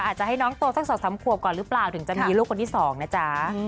อาจจะให้น้องโตสัก๒๓ขวบก่อนหรือเปล่าถึงจะมีลูกคนที่๒นะจ๊ะ